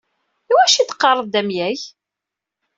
Iwacu i d-teqqareḍ d amyag?